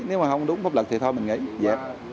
nếu mà không đúng pháp luật thì thôi mình nghỉ